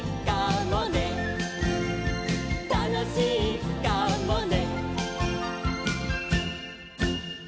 「たのしいかもね」